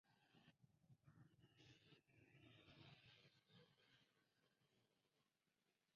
Viaje de Local y visitante los partidos por los estados va a disputar